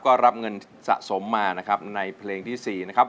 ก็รับเงินสะสมมานะครับในเพลงที่๔นะครับ